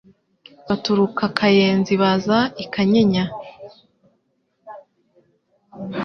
Baturuka Kayenzi baza i Kanyinya